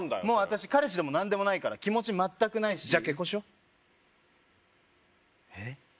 もう私彼氏でも何でもないから気持ち全くないしじゃ結婚しよえっ？